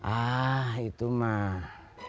ah itu mah